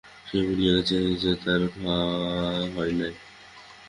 সে ভুলিয়া গিয়াছে যে, তাহার খাওয়া হয় নাই।